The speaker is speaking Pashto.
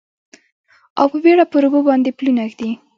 او په بیړه پر اوبو باندې پلونه ږدي